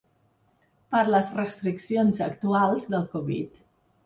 Per les restriccions actuals del covid.